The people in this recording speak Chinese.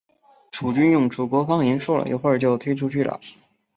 楚军用楚国方言说了一会就退出去了。